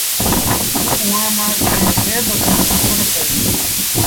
اُئآݩٚ مآݩٚ ڪݩهݩ کي با کبر ڪون پئيٚ